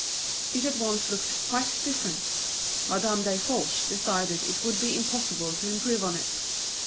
It at once looked quite different. Madame Desforges decided it would be impossible to improve on it.